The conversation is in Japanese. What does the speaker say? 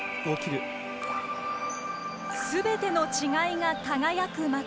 すべての違いが輝く街